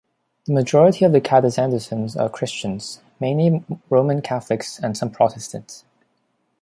The majority of the Kadazandusuns are Christians, mainly Roman Catholics and some Protestants.